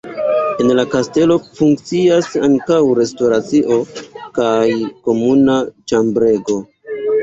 En la kastelo funkcias ankaŭ restoracio kaj komuna ĉambrego.